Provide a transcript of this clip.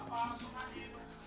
ini suratnya sudah selesai